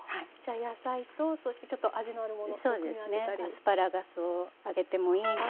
アスパラガスを揚げてもいいし。